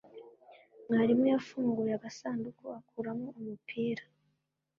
Mwarimu yafunguye agasanduku akuramo umupira.